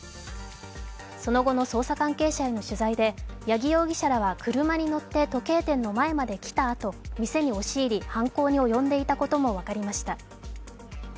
その後の捜査関係者への取材で八木容疑者らは車に乗って時計店の前まで来たあと、店に押し入り犯行に及んでいたことも分かりました。